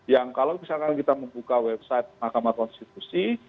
yang kalau misalkan kita membuka website mahkamah konstitusi